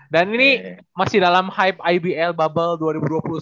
dan ini masih dalam hype ibl bubble dua ribu dua puluh satu